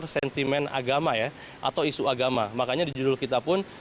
setiap pagi seharian